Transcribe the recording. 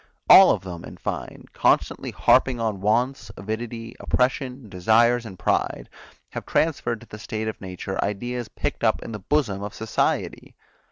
All of them, in fine, constantly harping on wants, avidity, oppression, desires and pride, have transferred to the state of nature ideas picked up in the bosom of society.